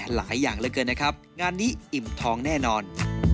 หลายอย่างเหลือเกินนะครับงานนี้อิ่มทองแน่นอน